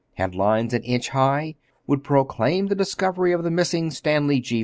Headlines an inch high would proclaim the discovery of the missing Stanley G.